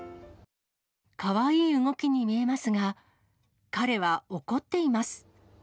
かわいい動きに見えますが、彼は怒っています。